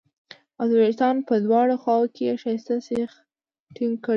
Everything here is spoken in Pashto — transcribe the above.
او د وېښتانو په دواړو خواوو کې یې ښایسته سیخک ټینګ کړي وو